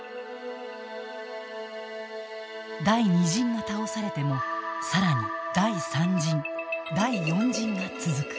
第２陣が倒されてもさらに第３陣、第４陣が続く。